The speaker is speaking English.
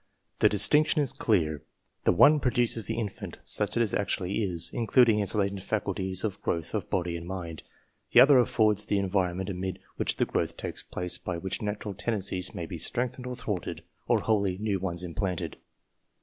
The distinction is clear : the one produces the infant such as it actually is, including its latent faculties of growth of body and mind ; the other affords the environ ment amid which the growth takes place, by which natural tendencies may be strengthened or thwarted, or wliolly new ones implanted.